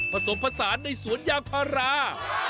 ผสมผสานในสวนยางพารา